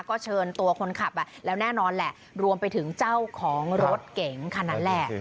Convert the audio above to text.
ก็เชิญตัวคนขับแล้วแน่นอนแหละรวมไปถึงเจ้าของรถเก๋งคันนั้นแหละ